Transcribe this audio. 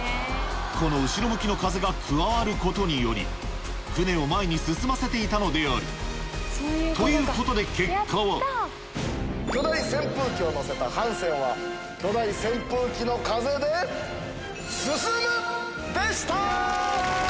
この後ろ向きの風が加わることにより船を前に進ませていたのであるということで結果は巨大扇風機を載せた帆船は巨大扇風機の風で。でした！